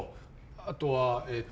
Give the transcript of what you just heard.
あとはえっと